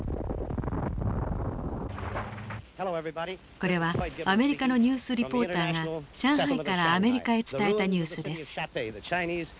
これはアメリカのニュースリポーターが上海からアメリカへ伝えたニュースです。